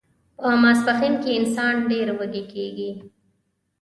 په ماسپښین کې انسان ډیر وږی کیږي